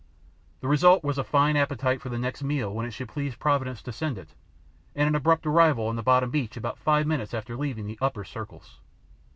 The result was a fine appetite for the next meal when it should please providence to send it, and an abrupt arrival on the bottom beach about five minutes after leaving the upper circles.